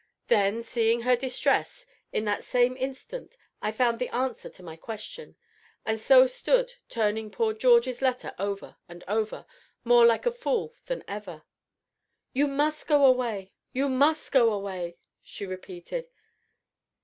Then, seeing her distress, in that same instant I found the answer to my question, and so stood, turning poor George's letter over and over, more like a fool than ever. "You must go away you must go away!" she repeated.